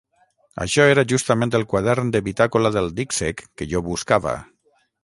Això era justament el quadern de bitàcola del dic sec que jo buscava.